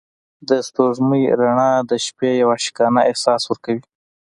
د سپوږمۍ رڼا د شپې یو عاشقانه احساس ورکوي.